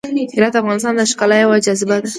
هرات د افغانستان د ښکلا یوه جاذبه ده.